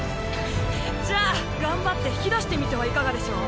じゃあ頑張って引き出してみてはいかがでしょう？